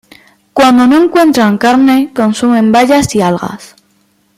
Cuando no encuentran carne, consumen bayas y algas.